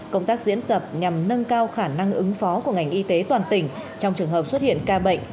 công tác diễn tập nhằm nâng cao khả năng ứng phó của ngành y tế toàn tỉnh trong trường hợp xuất hiện ca bệnh